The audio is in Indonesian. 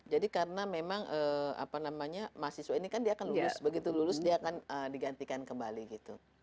jadi karena memang mahasiswa ini kan dia akan lulus begitu lulus dia akan digantikan kembali gitu